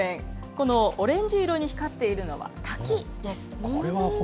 このオレンジ色に光っているのは滝です。